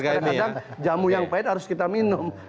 kadang kadang jamu yang pahit harus kita minum